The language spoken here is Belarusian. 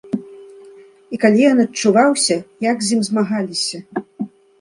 І калі ён адчуваўся, як з ім змагаліся?